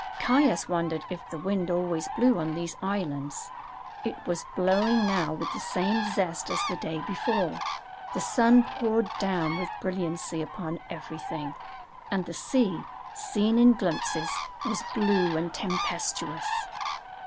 Caius wondered if the wind always blew on these islands; it was blowing now with the same zest as the day before; the sun poured down with brilliancy upon everything, and the sea, seen in glimpses, was blue and tempestuous.